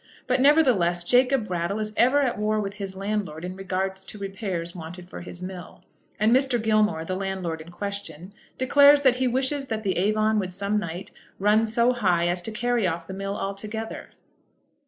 But nevertheless Jacob Brattle is ever at war with his landlord in regard to repairs wanted for his mill, and Mr. Gilmore, the landlord in question, declares that he wishes that the Avon would some night run so high as to carry off the mill altogether.